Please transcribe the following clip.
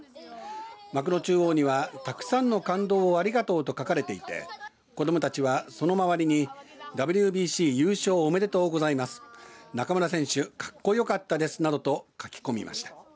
幕の中央にはたくさんの感動をありがとうと書かれていて子どもたちはその周りにＷＢＣ優勝おめでとうございます中村選手かっこよかったですなどと書き込みました。